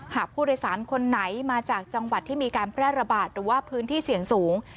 หากผู้โดยสารคนไหนมาจากจังหวัดที่มีการแพร่ระบาดหรือว่าพื้นที่เสี่ยงสูง